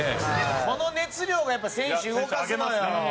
この熱量がやっぱ選手動かすのよ。